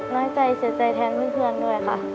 น้อยใจเสียใจแทนเพื่อนด้วยค่ะ